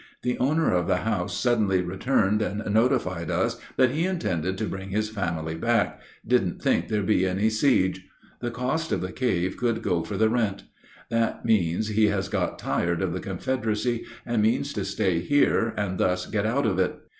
The owner of the house suddenly returned and notified us that he intended to bring his family back; didn't think there'd be any siege. The cost of the cave could go for the rent. That means he has got tired of the Confederacy and means to stay here and thus get out of it.